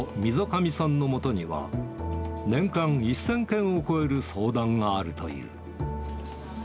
かみさんのもとには、年間１０００件を超える相談があるという。